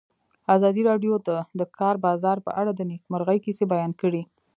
ازادي راډیو د د کار بازار په اړه د نېکمرغۍ کیسې بیان کړې.